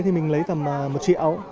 thì mình lấy tầm một triệu